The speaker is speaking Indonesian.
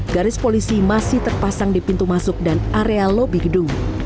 garis polisi masih terpasang di pintu masuk dan area lobi gedung